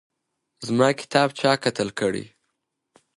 زما کتاب چا قتل کړی